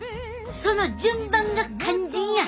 その順番が肝心や！